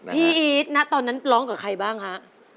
พี่อีทตอนนั้นร้องกับใครบ้างคะ